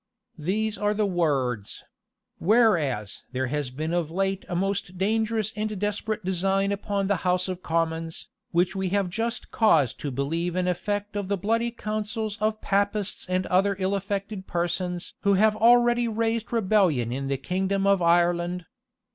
These are the words: "Whereas there has been of late a most dangerous and desperate design upon the house of commons, which we have just cause to believe an effect of the bloody counsels of Papists and other ill affected persons who have already raised a rebellion in the kingdom of Ireland.